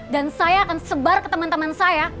dan saya akan sebar ke teman teman saya